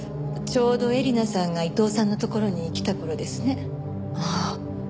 ちょうどえりなさんが伊藤さんのところに来た頃ですね。